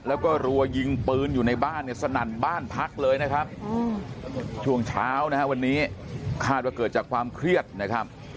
แล้วก็รัวยิงปืนอยู่ในบ้านสนั่นบ้านพักเลยนะครับ